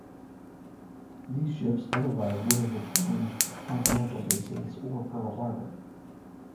These ships otherwise would have returned to continental bases or Pearl Harbor.